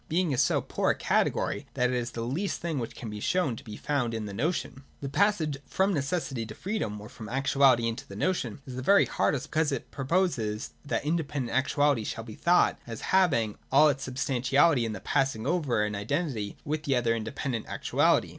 Being is so poor a category that it is the least thing which can be shown to be found in the notion. The passage from necessity to freedom, or from actuality into the notion, is the very hardest, because it proposes that independent actuality shall be thought as 159 ] NECESSITY AND FREEDOM. 285 having all its substantiality in the passing over and iden tity with the other independent actuality.